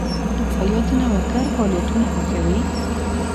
ایا ته نوښتګر فعالیتونه خوښوې؟